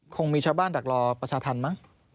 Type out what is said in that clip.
คงมีชาวบ้านดักรอประชาธรรมมั้ง